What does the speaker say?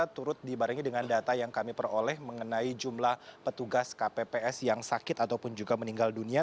turut dibarengi dengan data yang kami peroleh mengenai jumlah petugas kpps yang sakit ataupun juga meninggal dunia